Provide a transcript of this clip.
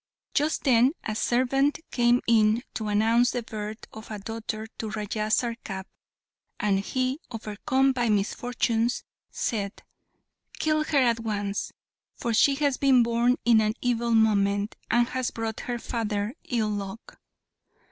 Just then, a servant came in to announce the birth of a daughter to Raja Sarkap, and he, overcome by misfortunes, said, "Kill her at once! for she has been born in an evil moment, and has brought her father ill luck!"